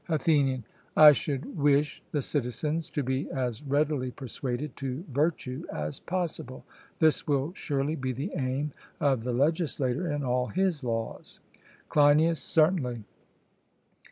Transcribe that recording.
ATHENIAN: I should wish the citizens to be as readily persuaded to virtue as possible; this will surely be the aim of the legislator in all his laws. CLEINIAS: Certainly.